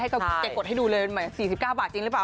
ให้เก๋กตให้ดูเลยเหมือน๔๙บาทจริงหรือเปล่า